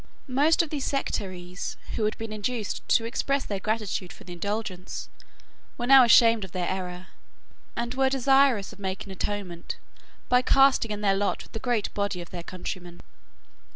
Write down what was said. Most of those sectaries who had been induced to express gratitude for the Indulgence were now ashamed of their error, and were desirous of making atonement by casting in their lot with the great body of their countrymen.